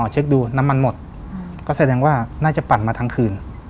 เช็คดูน้ำมันหมดก็แสดงว่าน่าจะปั่นมาทั้งคืน